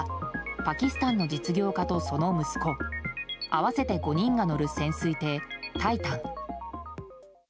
パキスタンの実業家とその息子合わせて５人が乗る潜水艇「タイタン」。